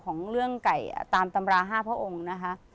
ของเรื่องไก่ตามตำรา๕พระองค์นะคะ